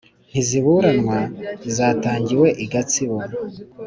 ntiziburanwa zatangiwe i gatsibo